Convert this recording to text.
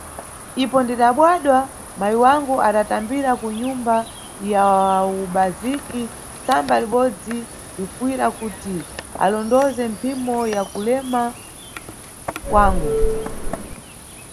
Ipo ndidabadwa, mayi wangu adatambira ku nyumba ya ubaziki tsamba libodzi, lifuyira kuti alondoze mphimo ya kulema kwangu.